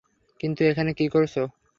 কিন্তু, এখানে কি করছো?